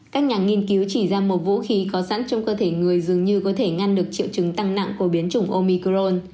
các nhà nghiên cứu chỉ ra một vũ khí có sẵn trong cơ thể người dường như có thể ngăn được triệu chứng tăng nặng của biến chủng omicron